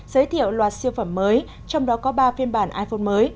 giới thiệu loạt siêu phẩm mới trong đó có ba phiên bản iphone mới